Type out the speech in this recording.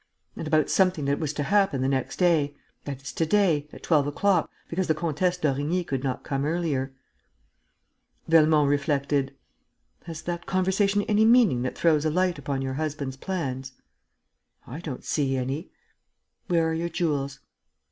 "And about something that was to happen the next day, that is, to day, at twelve o'clock, because the Comtesse d'Origny could not come earlier." Velmont reflected: "Has that conversation any meaning that throws a light upon your husband's plans?" "I don't see any." "Where are your jewels?"